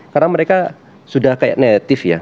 karena mereka sudah kayak native ya